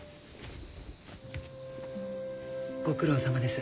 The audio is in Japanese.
ご苦労さまです。